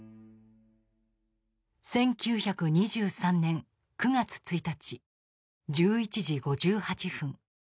１９２３年９月１日１１時５８分。